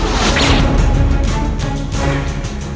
oh siri wang